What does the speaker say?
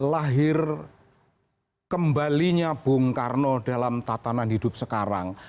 lahir kembalinya bung karno dalam tatanan hidup sekarang